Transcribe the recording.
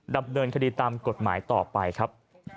ดำเนินคดีตามกฎหมายต่อไปครับ